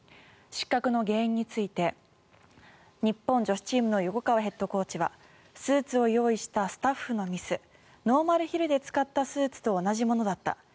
失格の原因について日本女子チームの横川ヘッドコーチはスーツを用意したスタッフのミスノーマルヒルで使ったスーツと同じものだった。